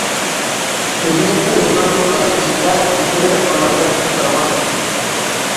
سۆزلەيتتى رىزۋانگۈل غەزەپ ئىلكىدە، يۈزلىرى ئاناردەك قىزارغان ئىدى.